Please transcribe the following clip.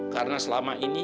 karena selama ini